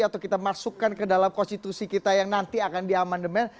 atau kita masukkan ke dalam konstitusi kita yang nanti akan diamandemen